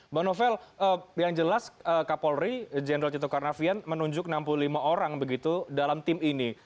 mbak novel yang jelas kak polri general cito karnavian menunjuk enam puluh lima orang begitu dalam tim ini